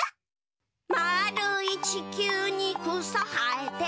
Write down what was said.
「まーるいちきゅうにくさはえて」